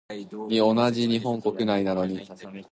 同じ日本国内なのに、場所によって方言が全然違うのは面白いなあ。